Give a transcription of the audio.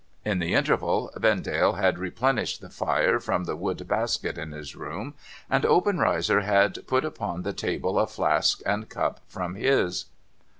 In the interval Vendale had replenished the fire from the wood basket in his room, and Obenreizer had put upon the table a flask and cup from his.